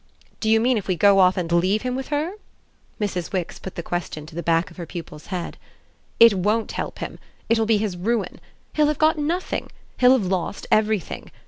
"Do you mean if we go off and leave him with her? " Mrs. Wix put the question to the back of her pupil's head. "It WON'T help him. It will be his ruin. He'll have got nothing. He'll have lost everything.